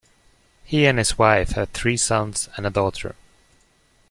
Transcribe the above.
He and his wife have three sons and a daughter.